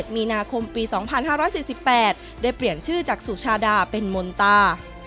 มีนาคมปี๒๕๔๘ได้เปลี่ยนชื่อจากสุชาดาเป็นมนตา